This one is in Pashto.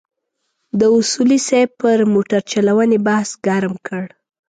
د اصولي صیب پر موټرچلونې بحث ګرم کړ.